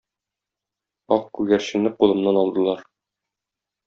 Ак күгәрченне кулымнан алдылар